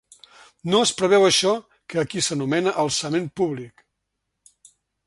No es preveu això que aquí s’anomena ‘alçament públic’.